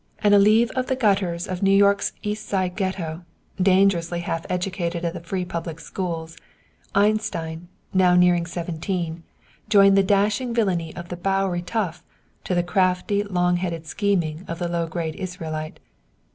An elève of the gutters of New York's East Side ghetto, dangerously half educated at the free public schools, Einstein, now nearing seventeen, joined the dashing villainy of the Bowery tough to the crafty long headed scheming of the low grade Israelite.